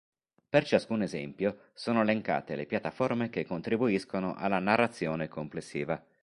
Per ciascun esempio sono elencate le piattaforme che contribuiscono alla narrazione complessiva.